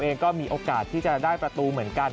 เองก็มีโอกาสที่จะได้ประตูเหมือนกัน